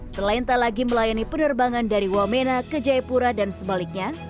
selain tak lagi melayani penerbangan dari wamena ke jayapura dan sebaliknya